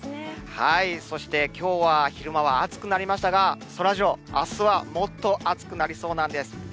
そして、きょうは昼間は暑くなりましたが、そらジロー、あすはもっと暑くなりそうなんです。